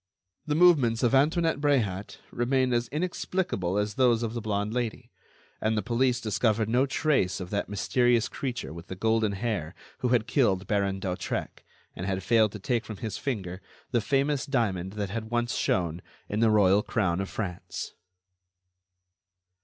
The movements of Antoinette Bréhat remained as inexplicable as those of the blonde Lady, and the police discovered no trace of that mysterious creature with the golden hair who had killed Baron d'Hautrec and had failed to take from his finger the famous diamond that had once shone in the royal crown of France.